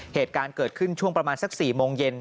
เหตุการณ์เกิดขึ้นช่วงประมาณสัก๔โมงเย็น